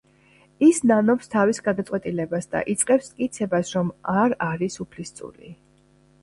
ის ნანობს თავის გადაწყვეტილებას და იწყებს მტკიცებას, რომ არ არის უფლისწული.